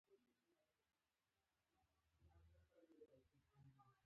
يوه ژړغوني غږ يې پر بدن لړزه راوسته.